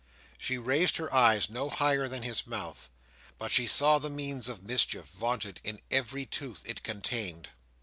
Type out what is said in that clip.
She raised her eyes no higher than his mouth, but she saw the means of mischief vaunted in every tooth it contained.